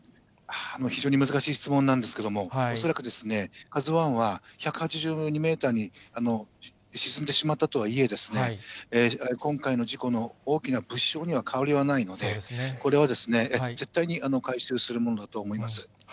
非常に難しい質問なんですけれども、恐らく、ＫＡＺＵＩは１８２メートルに沈んでしまったとはいえ、今回の事故の大きな物証には変わりはないので、これは絶対に回収するものだと思います。